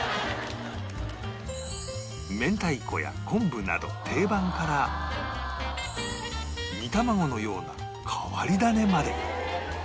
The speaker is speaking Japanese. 明太子や昆布など定番から煮玉子のような変わり種まで